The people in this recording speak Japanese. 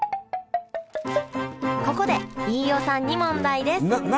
ここで飯尾さんに問題です何？